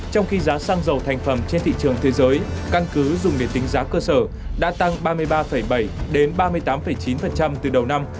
trong khi giá xăng dầu thành phẩm trên thị trường thế giới căn cứ dùng để tính giá cơ sở đã tăng ba mươi ba bảy đến ba mươi tám chín từ đầu năm